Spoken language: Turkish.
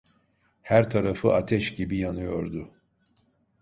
Her tarafı ateş gibi yanıyordu.